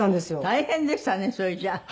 大変でしたねそれじゃあ。